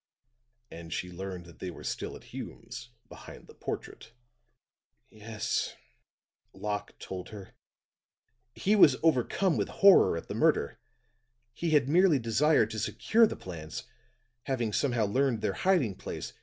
"And she learned that they were still at Hume's behind the portrait?" "Yes. Locke told her he was overcome with horror at the murder. He had merely desired to secure the plans, having somehow learned their hiding place.